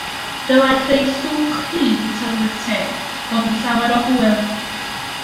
Dylai creu llwch hyd y tylwyth teg fod yn llawer o hwyl.